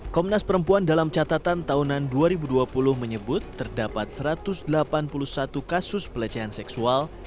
komnas perempuan dalam catatan tahunan dua ribu dua puluh menyebut terdapat satu ratus delapan puluh satu kasus pelecehan seksual